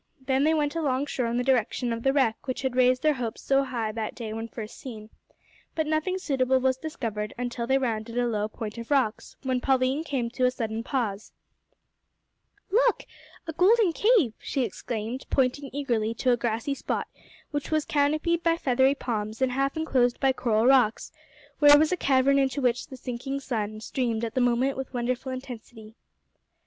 Then they went along shore in the direction of the wreck which had raised their hopes so high that day when first seen, but nothing suitable was discovered until they rounded a low point of rocks, when Pauline came to a sudden pause. "Look! a golden cave!" she exclaimed, pointing eagerly to a grassy spot which was canopied by feathery palms, and half enclosed by coral rocks, where was a cavern into which the sinking sun streamed at the moment with wonderful intensity.